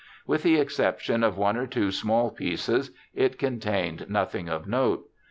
With the exception of one or two small pieces it contained nothing of note.